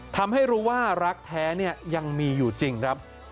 ทำให้รู้ว่ารักแท้ยังมีอยู่จริงครับ